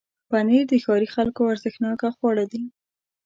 پنېر د ښاري خلکو ارزښتناکه خواړه دي.